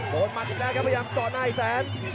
หมัดอีกแล้วครับพยายามก่อนหน้าอีกแสน